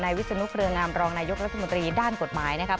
วิศนุเครืองามรองนายกรัฐมนตรีด้านกฎหมายนะครับ